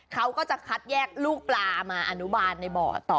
เขาก็จะคัดแยกลูกปลามาอนุบาลในบ่อต่อ